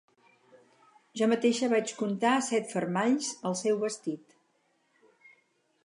Jo mateixa vaig comptar set fermalls al seu vestit.